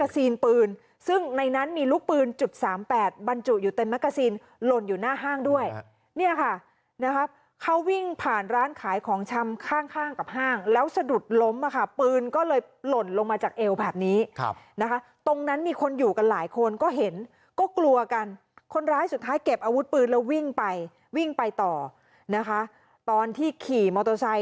ปืนซึ่งในนั้นมีลูกปืนจุดสามแปดบรรจุอยู่เต็มแกซีนหล่นอยู่หน้าห้างด้วยเนี่ยค่ะนะครับเขาวิ่งผ่านร้านขายของชำข้างข้างกับห้างแล้วสะดุดล้มอ่ะค่ะปืนก็เลยหล่นลงมาจากเอวแบบนี้นะคะตรงนั้นมีคนอยู่กันหลายคนก็เห็นก็กลัวกันคนร้ายสุดท้ายเก็บอาวุธปืนแล้ววิ่งไปวิ่งไปต่อนะคะตอนที่ขี่มอเตอร์ไซค